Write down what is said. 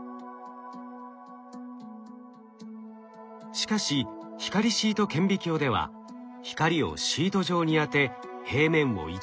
しかし光シート顕微鏡では光をシート状に当て平面を一度に撮影できます。